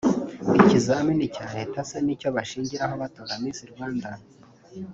Ikizamini cya Leta se nicyo bashingiraho batora Miss Rwanda